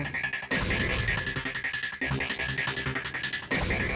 nggak mungkin terlalu banyak orang